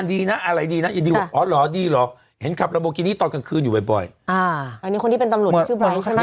อนี่คนที่เป็นตำรวจชื่อไบร์เซ็แรม